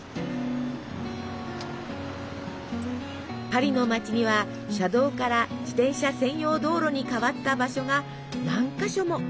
パリの街には車道から自転車専用道路に変わった場所が何か所も。